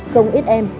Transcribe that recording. không ít em